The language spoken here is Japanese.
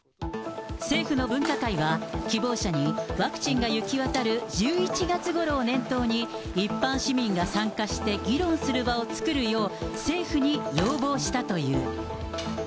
政府の分科会は、希望者にワクチンが行き渡る１１月ごろを念頭に一般市民が参加して議論する場を作るよう、政府に要望したという。